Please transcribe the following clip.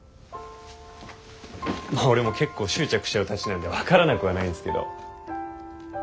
俺も結構執着しちゃうたちなんで分からなくはないんですけど。